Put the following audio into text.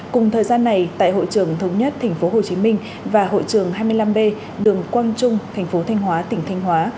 cùng thời gian này tại hội trường thống nhất tp hcm và hội trường hai mươi năm b đường quang trung tp thanh hóa tp thanh hóa